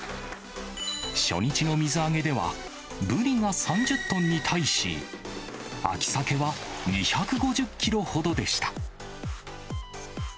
初日の水揚げでは、ブリが３０トンに対し、秋サケは２５０キロほどでした。